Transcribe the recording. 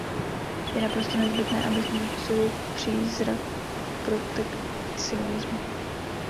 Je naprosto nezbytné, abychom opustili přízrak protekcionismu.